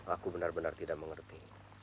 aku benar benar tidak mengerti